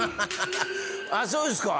あっそうですか？